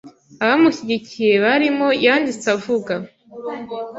Abamushyigikiye barimo yanditse avuga